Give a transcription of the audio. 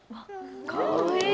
かわいい！